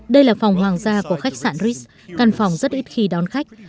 đây là phòng hoàng gia của khách sạn rit căn phòng rất ít khi đón khách